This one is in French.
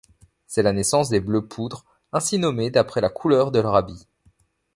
C'est la naissance des Bleu Poudre, ainsi nommés d'après la couleur de leur habit.